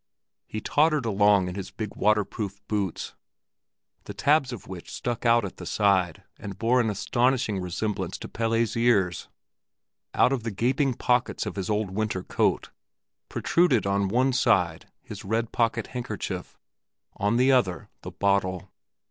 He tottered along in his big waterproof boots, the tabs of which stuck out at the side and bore an astonishing resemblance to Pelle's ears; out of the gaping pockets of his old winter coat protruded on one side his red pocket handkerchief, on the other the bottle.